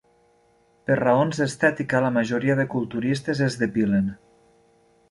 Per raons d'estètica, la majoria de culturistes es depilen.